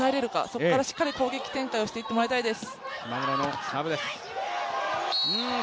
そこからしっかり攻撃展開をしていってもらいたいです。